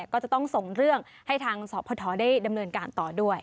ก็จะต้องส่งเรื่องให้ทางสพได้ดำเนินการต่อด้วย